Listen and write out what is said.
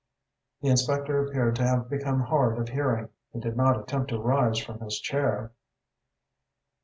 The inspector appeared to have become hard of hearing. He did not attempt to rise from his chair.